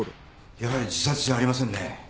やはり自殺じゃありませんね。